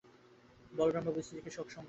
বলরামবাবুর স্ত্রীর শোকসংবাদে দুঃখিত হইলাম।